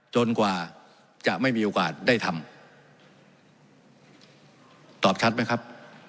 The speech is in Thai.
กว่าจะไม่มีโอกาสได้ทำตอบชัดไหมครับ